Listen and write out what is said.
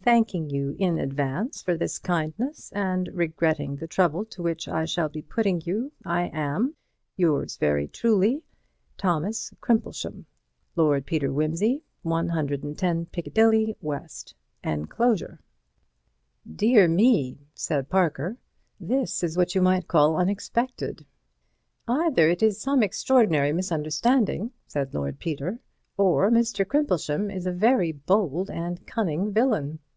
Thanking you in advance for this kindness, and regretting the trouble to which I shall be putting you, I am Yours very truly, THOS. CRIMPLESHAM. Lord Peter Wimsey, 110, Piccadilly, W. (Encl.) "Dear me," said Parker, "this is what you might call unexpected." "Either it is some extraordinary misunderstanding," said Lord Peter, "or Mr. Crimplesham is a very bold and cunning villain.